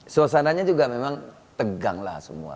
suasana juga memang teganglah semua